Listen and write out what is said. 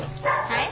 はい？